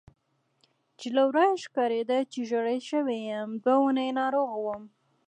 چې له ورایه ښکارېدل چې ژېړی شوی یم، دوه اونۍ ناروغ وم.